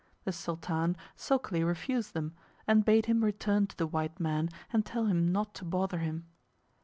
The Sultan sulkily refused them, and bade him return to the white man and tell him not to bother him.